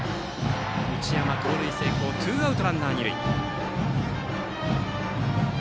内山、盗塁成功でツーアウトランナー、二塁。